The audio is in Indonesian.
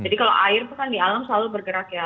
jadi kalau air kan di alam selalu bergerak ya